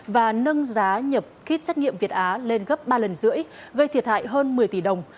và nâng giá nhập khít xét nghiệm việt á lên gấp ba lần rưỡi gây thiệt hại hơn một mươi tỷ đồng